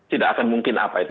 tidak akan mungkin apa itu